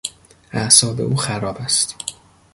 اعصاب او خراب است.